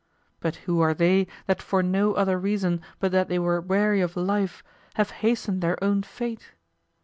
But who are they that for no other reason but that they were weary of life have hastened their own fate?